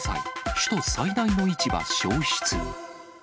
首都最大の市場焼失。